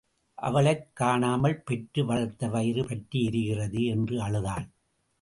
அவளைக் காணாமல் பெற்று வளர்த்த வயிறு பற்றி எரிகிறதே! என்று அழுதாள்.